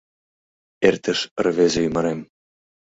Эртыш рвезе ӱмырем.